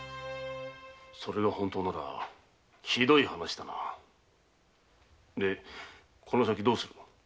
それが本当ならひどい話だなでこの先どうする？